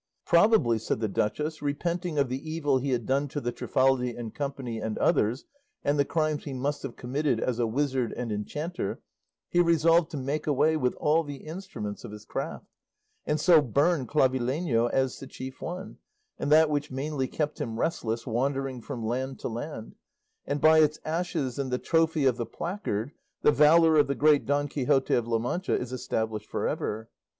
"Probably," said the duchess, "repenting of the evil he had done to the Trifaldi and company, and others, and the crimes he must have committed as a wizard and enchanter, he resolved to make away with all the instruments of his craft; and so burned Clavileño as the chief one, and that which mainly kept him restless, wandering from land to land; and by its ashes and the trophy of the placard the valour of the great Don Quixote of La Mancha is established for ever."